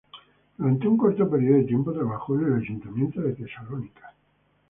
Durante un corto periodo de tiempo trabajó en el Ayuntamiento de Tesalónica.